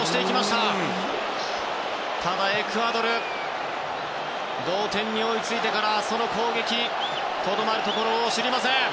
ただ、エクアドル同点に追いついてからその攻撃とどまるところを知りません。